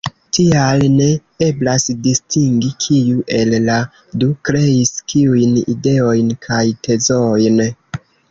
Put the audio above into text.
Tial ne eblas distingi, kiu el la du kreis kiujn ideojn kaj tezojn.